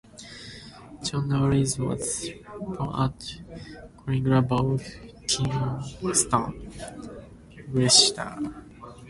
John Norris was born at Collingbourne Kingston, Wiltshire.